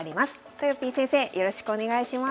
とよぴー先生よろしくお願いします。